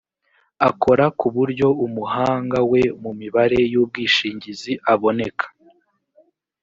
akora ku buryo umuhanga we mu mibare y’ubwishingizi aboneka